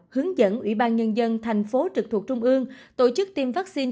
hướng dẫn ủy ban nhân dân thành phố trực thuộc trung ương tổ chức tiêm vaccine